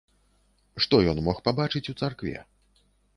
Што ён мог пабачыць у царкве?